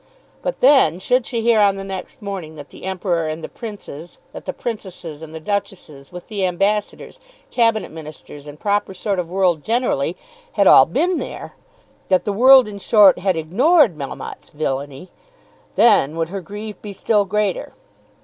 But then, should she hear on the next morning that the Emperor and the Princes, that the Princesses, and the Duchesses, with the Ambassadors, Cabinet Ministers, and proper sort of world generally, had all been there, that the world, in short, had ignored Melmotte's villainy, then would her grief be still greater.